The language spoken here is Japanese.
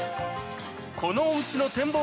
このおうちの展望